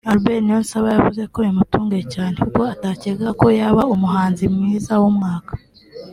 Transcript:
Albert Niyonsaba yavuze ko bimutunguye cyane kuko atacyekaga ko yaba umuhanzi mwiza w'umwaka